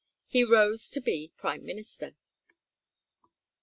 He rose to be Prime Minister.